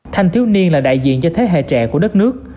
thanh thiếu niên là đại diện cho thế hệ trẻ của đất nước